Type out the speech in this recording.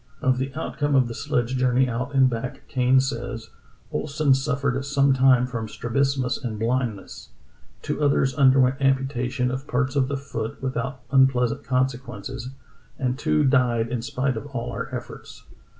Of the outcome of the sledge journey out and back Kane says: "Ohlsen suf fered some time from strabismus and blindness; two others underwent amputation of parts of the foot with out unpleasant consequences; and two died in spite of all our efforts.